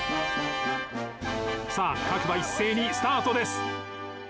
さあ各馬一斉にスタートです。